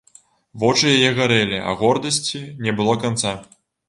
Вочы яе гарэлі, а гордасці не было канца.